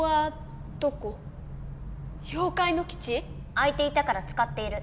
空いてたから使っている。